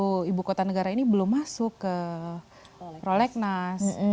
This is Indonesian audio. bahwa ibu kota negara ini belum masuk ke prolegnas